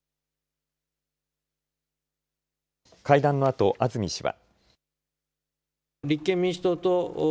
会談のあと安住氏は。